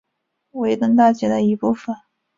维登大街的一部分。